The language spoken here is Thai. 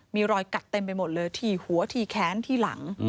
มีรอยกัดเต็มไปหมดเลยที่หัวที่แค้นที่หลัง